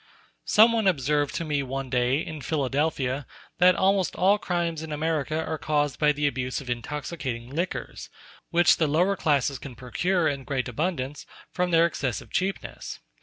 Someone observed to me one day, in Philadelphia, that almost all crimes in America are caused by the abuse of intoxicating liquors, which the lower classes can procure in great abundance, from their excessive cheapness.